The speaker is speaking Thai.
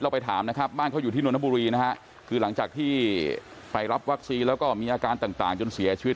ไปถามนะครับบ้านเขาอยู่ที่นนทบุรีนะฮะคือหลังจากที่ไปรับวัคซีนแล้วก็มีอาการต่างจนเสียชีวิต